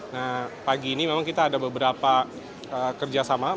nah pagi ini memang kita ada beberapa kerjasama